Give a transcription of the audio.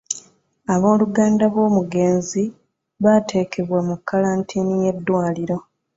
Obooluganda b'omugenzi baateekebwa mu kkalantiini y'eddwaliro.